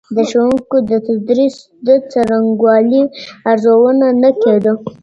د ښوونکو د تدریس د څرنګوالي ارزونه نه کيده.